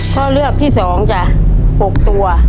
ข้อเลือกที่๒จ้ะ๖ตัว